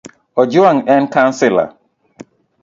Ojwang en kansila.